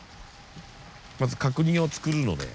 まず角煮を作るので。